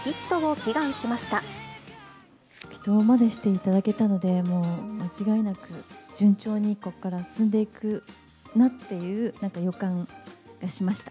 祈とうまでしていただけたので、もう間違いなく、順調にここから進んでいくなっていう、なんか、予感がしました。